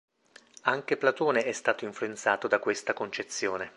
Anche Platone è stato influenzato da questa concezione.